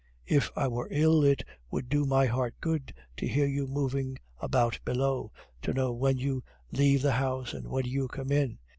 If I were ill, it would do my heart good to hear you moving about below, to know when you leave the house and when you come in.